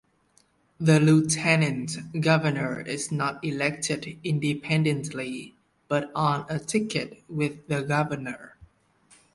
The lieutenant governor is not elected independently, but on a ticket with the governor.